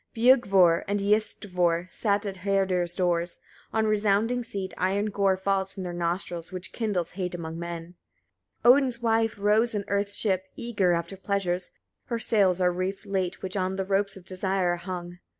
Biugvor and Iyistvor sit at Herdir's doors, on resounding seat; iron gore falls from their nostrils, which kindles hate among men. 77. Odin's wife rows in earth's ship, eager after pleasures; her sails are reefed late, which on the ropes of desire are hung. 78. Son!